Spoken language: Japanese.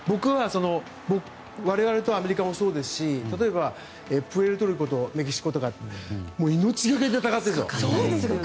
我々とアメリカもそうですし例えば、プエルトリコとメキシコとか命がけで戦ってるんですよ。